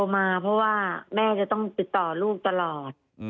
แม่จะต้องติดต่อลูกตลอด